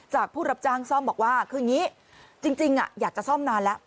ผู้รับจ้างซ่อมบอกว่าคืออย่างนี้จริงอยากจะซ่อมนานแล้ว